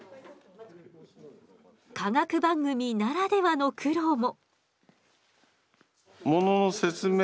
科学番組ならではの苦労も。